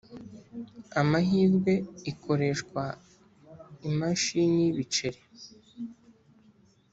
amahirwe ikoreshwa imashini y ibiceri